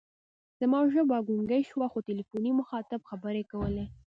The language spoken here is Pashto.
زما ژبه ګونګۍ شوه، خو تلیفوني مخاطب خبرې کولې.